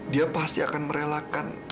dia pasti akan merelakan